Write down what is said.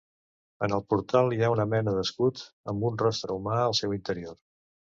En el portal hi ha una mena d'escut amb un rostre humà al seu interior.